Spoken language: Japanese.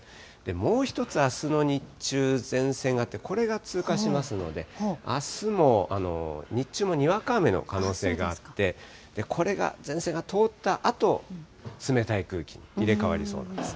もう１つ、あすの日中、前線があってこれが通過しますので、あすも日中もにわか雨の可能性があって、これが前線が通ったあと、冷たい空気に入れ代わりそうなんです。